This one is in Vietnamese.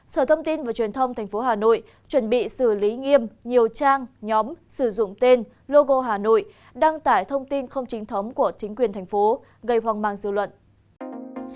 sở thông tin và truyền thông tp hà nội chuẩn bị xử lý nghiêm nhiều trang nhóm sử dụng tên logo hà nội đăng tải thông tin không chính thống của chính quyền thành phố gây hoang mang dư luận